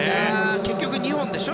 結局２本でしょ？